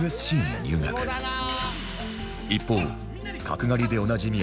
一方角刈りでおなじみ